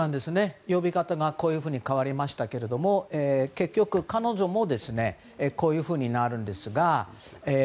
呼び方がこういうふうに変わりましたけれども結局、彼女もこういうふうになるんですが。